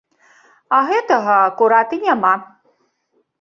А гэтага акурат і няма.